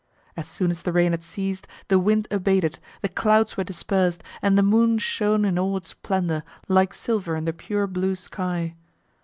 As soon as the rain had ceased, the wind abated, the clouds were dispersed, and the moon shone in all its splendour, like silver in the pure, blue sky.